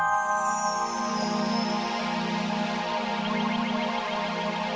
oh aku mau berjalan